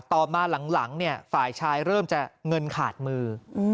ต่อมาหลังฝ่ายชายเริ่มจะเงินขาดมือ